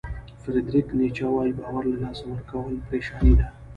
فریدریک نیچه وایي باور له لاسه ورکول پریشاني ده.